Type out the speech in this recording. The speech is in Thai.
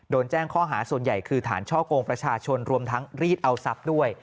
โดนแจ้งข้อหาส่วนใหญ่คือฐานช่อกงประชาชนรวมทั้งรีดเอาทรัพย์ด้วย